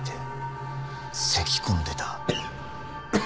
せき込んでた。